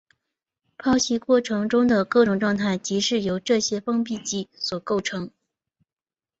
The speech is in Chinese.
剖析过程中的各种状态即是由这些封闭集所构成。